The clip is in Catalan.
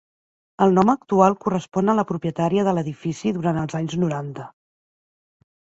El nom actual correspon a la propietària de l'edifici durant els anys noranta.